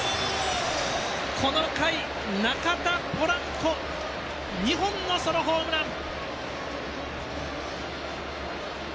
この回、中田、ポランコ２本のソロホームラン。